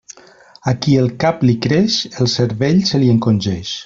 A qui el cap li creix, el cervell se li encongeix.